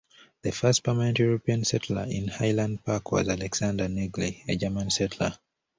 The first permanent European settler in Highland Park was Alexander Negley, a German settler.